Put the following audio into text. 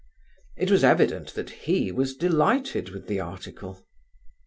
It was evident that he was delighted with the article.